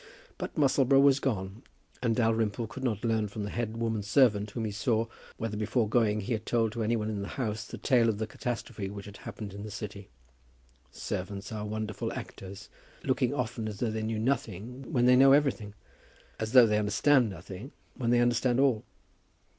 But Musselboro had gone, and Dalrymple could not learn from the head woman servant whom he saw, whether before going he had told to any one in the house the tale of the catastrophe which had happened in the City. Servants are wonderful actors, looking often as though they knew nothing when they know everything, as though they understood nothing, when they understand all.